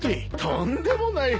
とんでもない。